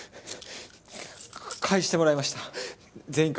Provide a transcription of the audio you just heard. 返してもらいました全員から。